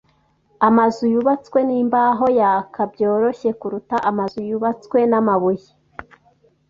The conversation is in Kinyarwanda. Amazu yubatswe nimbaho yaka byoroshye kuruta amazu yubatswe namabuye.